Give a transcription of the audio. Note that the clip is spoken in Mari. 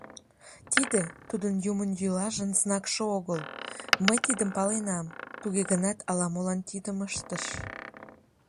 Тиде – тудын юмынйӱлажын знакше огыл, мый тидым паленам, туге гынат ала-молан тидым ыштыш.